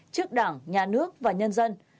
trước đảng nhà nước và nhân dân